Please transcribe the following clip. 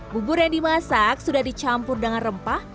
bubur yang dimasak sudah dicampur dengan rempah